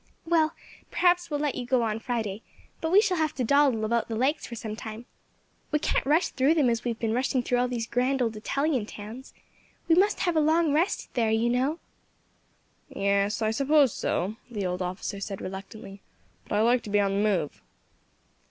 "Well, perhaps we will let you go on Friday, but we shall have to dawdle about the lakes for some time. We can't rush through them as we have been rushing through all these grand old Italian towns. We must have a long rest there, you know." "Yes, I suppose so," the old officer said reluctantly; "but I like to be on the move."